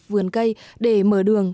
vườn cây để mở đường